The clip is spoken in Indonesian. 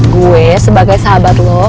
gue sebagai sahabat lo